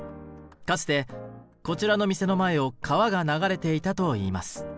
かつてこちらの店の前を川が流れていたといいます。